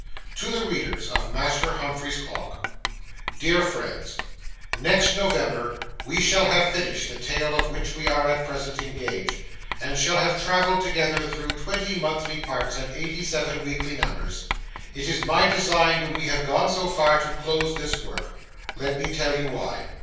TO THE READERS OF "MASTER HUMPHREY'S CLOCK" DEAR FRIENDS, Next November we shall have finished the tale of which we are at present engaged, and shall have travelled together through twenty monthly parts and eighty seven weekly numbers. It is my design when we have gone so far, to close this work. Let me tell you why.